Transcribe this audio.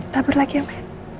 tabur lagi oke